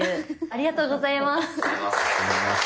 ありがとうございます！